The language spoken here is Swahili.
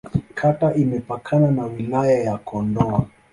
Kata imepakana na Wilaya ya Kondoa.